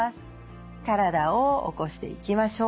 体を起こしていきましょう。